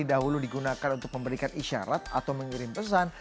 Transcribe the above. dahulu digunakan untuk memberikan isyarat atau mengirim pesan